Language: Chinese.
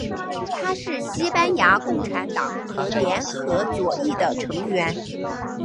他是西班牙共产党和联合左翼的成员。